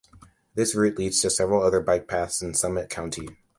This route leads to several other bike paths in Summit County.